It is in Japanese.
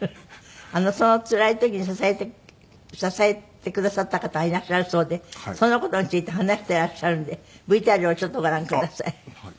そのつらい時に支えてくださった方がいらっしゃるそうでその事について話していらっしゃるのでＶＴＲをちょっとご覧ください。